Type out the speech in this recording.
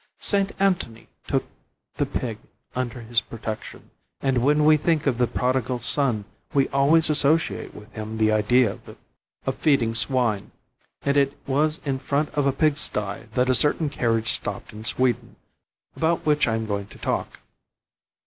St. Antony took the pig under his protection; and when we think of the prodigal son we always associate with him the idea of feeding swine; and it was in front of a pig sty that a certain carriage stopped in Sweden, about which I am going to talk.